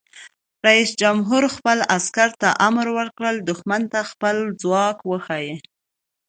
رئیس جمهور خپلو عسکرو ته امر وکړ؛ دښمن ته خپل ځواک وښایئ!